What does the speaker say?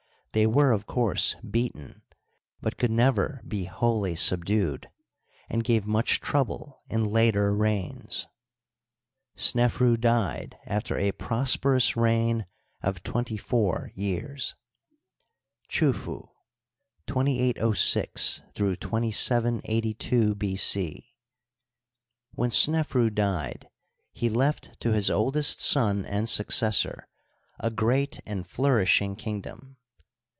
They were of course beaten, but could never be wholly subdued, and gave much trouble in later reigns. Snefru died after a prosperous reign of twenty four years. Chufu (2806 2782 B. C). — When Snefru died he left to his oldest son and successor a g^eat and flourishing kingdom.